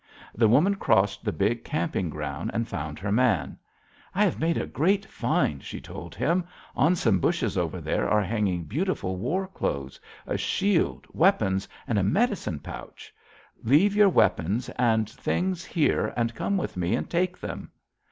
"The woman crossed the big camping ground and found her man: 'I have made a great find,' she told him. 'On some bushes over there are hanging beautiful war clothes, a shield, weapons, and a medicine pouch. Leave you your weapons and things here, and come with me, and take them.'